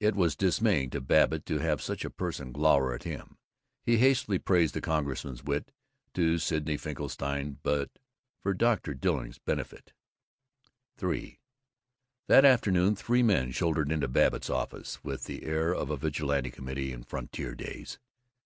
It was dismaying to Babbitt to have such a person glower at him. He hastily praised the congressman's wit, to Sidney Finkelstein, but for Dr. Dilling's benefit. III That afternoon three men shouldered into Babbitt's office with the air of a Vigilante committee in frontier days.